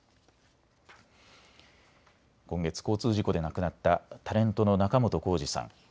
今月、交通事故で亡くなったタレントの仲本工事さん。